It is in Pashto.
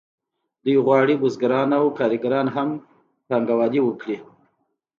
دوی غواړي بزګران او کارګران هم پانګوالي وکړي